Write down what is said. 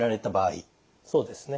そうですね。